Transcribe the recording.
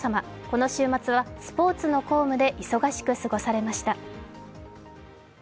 この週末は、スポーツの公務で忙しく過ごされました。